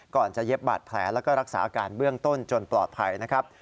ก่อนจะเย็บบาดแผลแล้วก็รักษาอาการเบื้องต้นจนปลอดภัยนะครับ